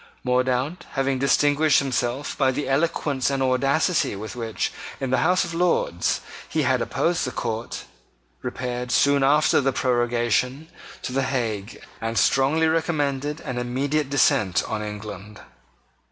Mordaunt, having distinguished himself by the eloquence and audacity with which, in the House of Lords, he had opposed the court, repaired, soon after the prorogation, to the Hague, and strongly recommended an immediate descent on England.